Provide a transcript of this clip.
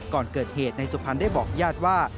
ก่อนเกิดเหตุนายสุพรรณได้บอกญาติว่า